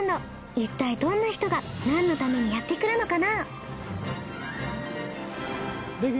いったいどんな人がなんのためにやってくるのかな？